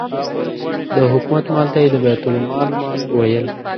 د حکومت مال ته یې د بیت المال مال ویل.